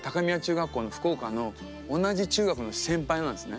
学校の福岡の同じ中学の先輩なんですね。